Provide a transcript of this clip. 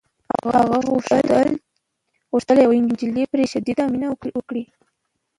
هغه غوښتل یوه نجلۍ پرې شدیده مینه وکړي